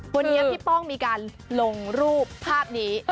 วันนี้พี่ป้องมีการลงรูปภาพนี้